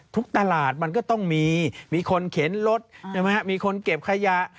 ทุกตลาดมันก็ต้องมีมีคนเข็นรถมีคนเก็บขยะ